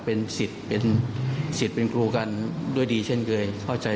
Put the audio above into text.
เป็นสิทธิ์เป็นสิทธิ์เป็นครูกันด้วยดีเช่นเคยเข้าใจ